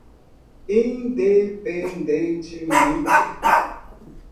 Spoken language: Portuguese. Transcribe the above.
independentemente